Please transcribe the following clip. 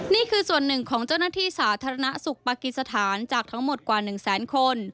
นี่คือส่วนหนึ่งของเจ้าหน้าที่สาธารณสุขปากีสถานจากทั้งหมดกว่า๑แสนคน